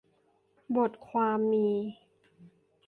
บทความมี